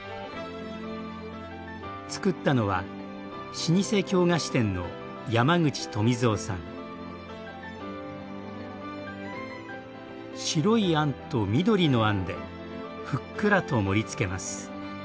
つくったのは老舗京菓子店の白いあんと緑のあんでふっくらと盛りつけます。